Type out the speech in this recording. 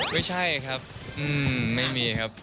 ไม่ใช่ครับไม่มีครับ